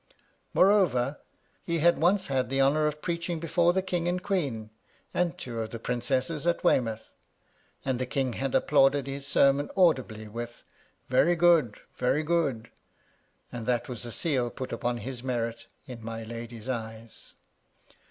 Moreover, he had once had the honour of preaching before the King and Queen, and two of the Princesses, at Weymouth ; and the King had applauded his sermon audibly with, —Very good ; very good ;" and that was a seal put upon his merit in my lady's eyes.